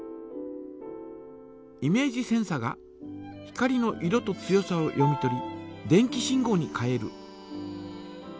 イメージセンサが光の色と強さを読み取り電気信号に変える。